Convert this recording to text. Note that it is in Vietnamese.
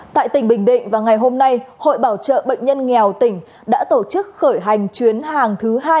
tại tỉnh bình định vào ngày hôm nay hội bảo trợ bệnh nhân nghèo tỉnh đã tổ chức khởi hành chuyến hàng thứ hai